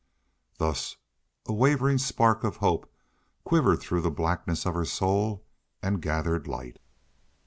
Thus a wavering spark of hope quivered through the blackness of her soul and gathered light.